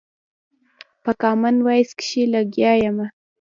په کامن وايس کښې لګيا ىمه